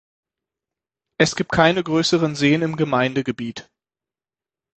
Es gibt keine größeren Seen im Gemeindegebiet.